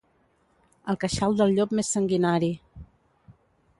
El queixal del llop més sanguinari.